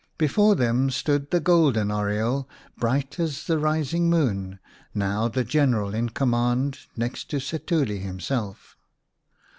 Before them stood the golden oriole, bright as the rising moon, now the general in command next to Setuli himself.